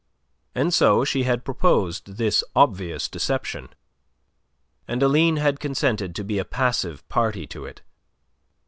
And so she had proposed this obvious deception; and Aline had consented to be a passive party to it.